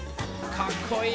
かっこいい。